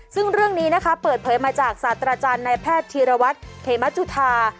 ซึ่งเรื่องนี้นะคะเปิดเผยมาจากศาสตราจารย์นายแพทย์ธีรวัตรเขมจุธา